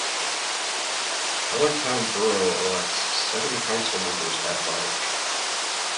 Hellertown Borough elects seven council members at large.